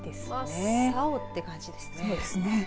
真っ青って感じですね。